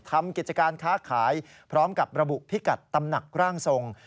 ทำกิจการค้าขายพร้อมกับระบุพิกัดตำหนักร่างทรง